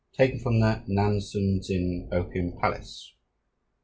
taken from the Nan Sun Zin Opium Palace.